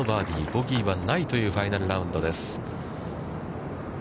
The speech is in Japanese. ボギーはないというファイナルラウンドです。